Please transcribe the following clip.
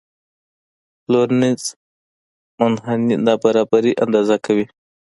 لورینز منحني نابرابري اندازه کوي.